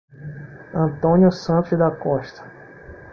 Antônio Santos da Costa